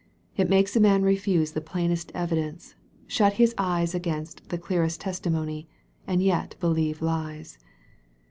It makes a man refuse the plainest evidence, shut his eyes against the clearest tes timony, and yet believe lies.